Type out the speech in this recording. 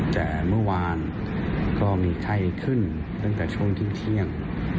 แต่เมื่อวานก็มีไข้ขึ้นตั้งแต่ช่วงเที่ยง